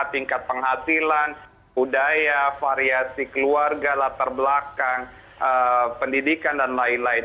tingkat penghasilan budaya variasi keluarga latar belakang pendidikan dan lain lain